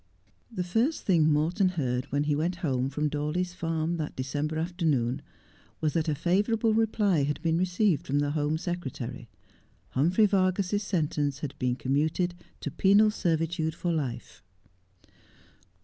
The first thing Morton heard when he went home from Dawleys farm that December afternoon was that a favourable reply had been received from the Home Secretary. Humphrey Vargas's sentence had been commuted to penal servitude for life.